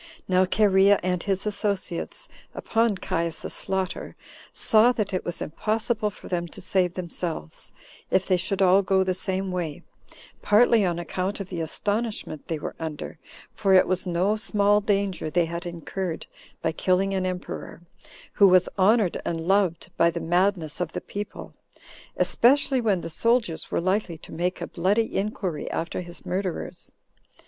Now Cherea and his associates, upon Caius's slaughter, saw that it was impossible for them to save themselves, if they should all go the same way, partly on account of the astonishment they were under; for it was no small danger they had incurred by killing an emperor, who was honored and loved by the madness of the people, especially when the soldiers were likely to make a bloody inquiry after his murderers.